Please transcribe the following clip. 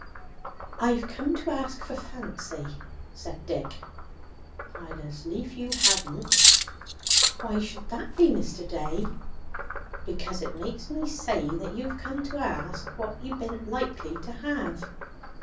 "I've come to ask for Fancy," said Dick. "I'd as lief you hadn't." "Why should that be, Mr. Day?" "Because it makes me say that you've come to ask what ye be'n't likely to have.